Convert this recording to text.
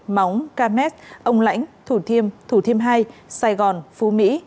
móng cam nét ông lãnh thủ thiêm thủ thiêm hai sài gòn phú mỹ